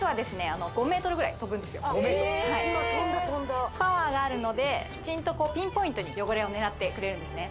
あの５ｍぐらい飛ぶんですよ・ええ今飛んだ飛んだパワーがあるのできちんとこうピンポイントに汚れを狙ってくれるんですね